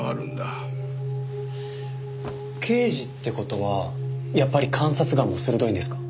刑事って事はやっぱり観察眼も鋭いんですか？